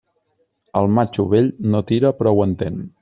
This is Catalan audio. El matxo vell no tira però ho entén.